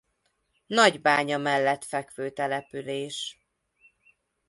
Nagybánya mellett fekvő település.